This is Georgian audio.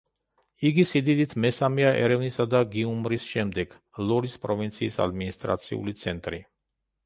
იგი სიდიდით მესამეა ერევნისა და გიუმრის შემდეგ, ლორის პროვინციის ადმინისტრაციული ცენტრი.